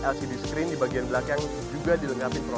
lcd screen di bagian belakang juga dilengkapi protective cover